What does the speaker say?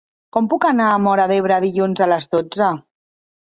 Com puc anar a Móra d'Ebre dilluns a les dotze?